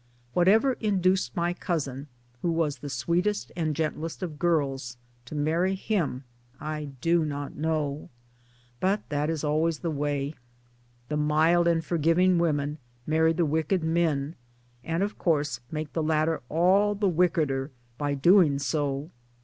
Whatever induced my cousin who was the sweetest and gentlest of girls to marry him I do not know. But that is always the way : the mild and forgiving women marry the wicked men, and of course make the latter all the wickeder by doing so